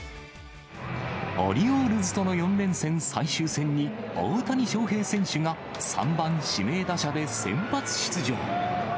オリオールズとの４連戦最終戦に、大谷翔平選手が３番指名打者で先発出場。